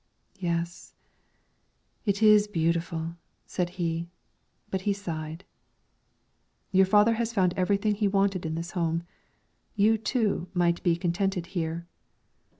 "Yes, it is beautiful," said he, but he sighed. "Your father has found everything he wanted in this home; you, too, might be contented here."